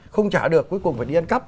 không trả được cuối cùng phải đi ăn cắp